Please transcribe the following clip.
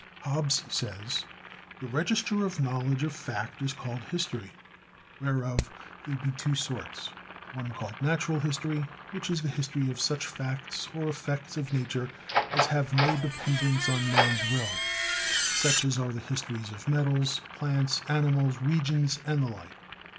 Hobbes says: 'The register of knowledge of fact is called history. Whereof there be two THE SCIENCE OF LIFE 3 sorts, one called natural history; which is the history of such facts or effects of nature as have no dependence on man's will; such as are the histories of metals, plants, animals, regions and the like.